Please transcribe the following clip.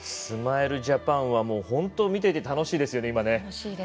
スマイルジャパンは本当、見ていて楽しいですよね、今ね。